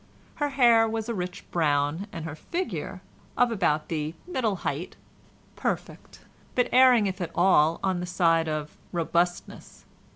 Her hair was a rich brown, and her figure—of about the middle height—perfect, but erring if at all on the side of robustness.